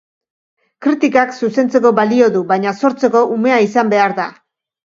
Kritikak zuzentzeko balio du, baina sortzeko umea izan behar da.